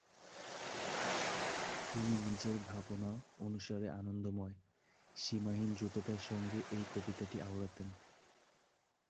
তিনি নিজের ভাবনা অনুসারে আনন্দময় "সীমাহীন দ্রুততা"র সঙ্গে এই কবিতাটি আওড়াতেন।